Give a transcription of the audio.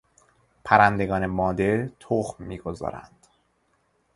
پرندگان ماده تخم میگذارند.